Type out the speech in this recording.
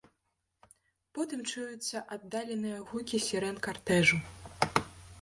Потым чуюцца аддаленыя гукі сірэн картэжу.